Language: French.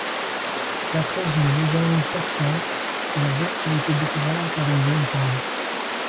D'après une légende persane, le vin a été découvert par une jeune femme.